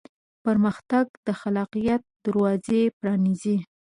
پرمختګ د خلاقیت دروازې پرانیزي.